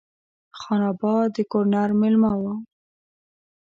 خان آباد د ګورنر مېلمه وم.